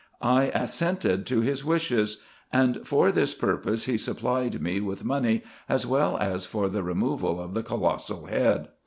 I assented to his wishes ; and for this purpose IN EGYPT, NUBIA, &c. 29 he supplied me with money, as well as for the removal of the colossal head.